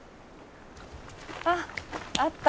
あっあった！